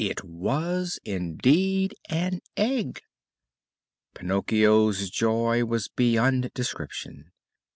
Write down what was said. It was indeed an egg. Pinocchio's joy was beyond description.